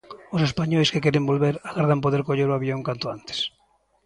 Os españois que queren volver agardan poder coller o avión canto antes.